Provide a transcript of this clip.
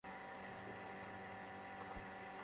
বেসমেন্টও সম আয়তনের হবার সম্ভাবনা রয়েছে।